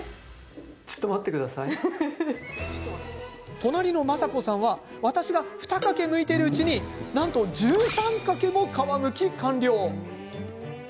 隣の真子さんは私が２かけむいているうちになんと１３かけも皮むき完了。